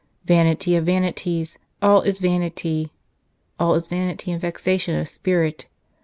" Vanity of vanities ... all is vanity. All is vanity and vexation of spirit.